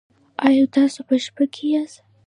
ایا تاسو په شپه کې یاست؟